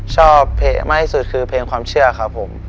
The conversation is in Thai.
ชอบเพลงความเชื่อครับผม